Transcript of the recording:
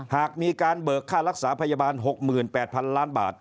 หากมีการเบิกค่ารักษาพยาบาล๖๘๐๐๐ล้านบาท